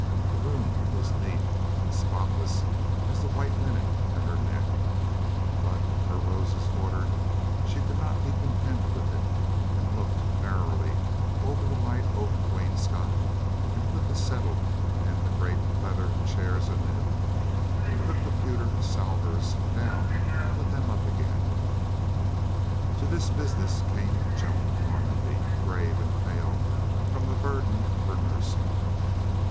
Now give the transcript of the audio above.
The room was neat and spotless as the white linen at her neck, but, her roses ordered, she could not be content with it and looked narrowly over the light oak wainscot and put the settle and the great leather chairs anew and took the pewter salvers down to put them up again. To this business came Joan Normandy, grave and pale from the burden of her nursing.